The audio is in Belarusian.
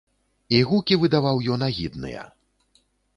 І гукі выдаваў ён агідныя.